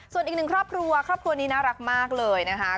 ส่วนอีกหนึ่งครอบครัวครอบครัวนี้น่ารักมากเลยนะคะ